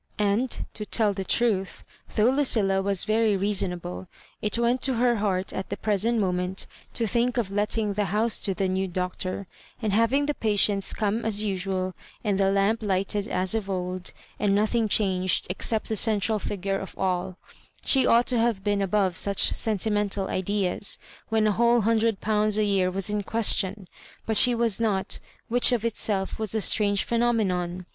And, to tell the truth, though Lucilla was very reasonable, it went to her heart at the present moment to think of letting the house to the new Doctor, and haying the patients come as usual, and the lamp lighted as of old, and nothing changed except the centrsd figure of aU. She ought to have been above such sentimental ideas when a whole hundred pounds a year was in question ; but she was not, which of itself was a strange phenomenon.